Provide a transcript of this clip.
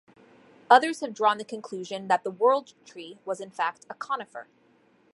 Others have drawn the conclusion that the World Tree was in fact a conifer.